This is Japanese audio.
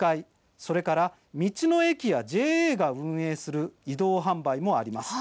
それから道の駅やＪＡが運営する移動販売もあります。